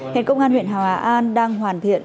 hiện công an huyện hòa an đang hoàn thiện